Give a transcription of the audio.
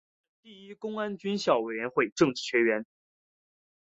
曾任第一公安军学校政治委员。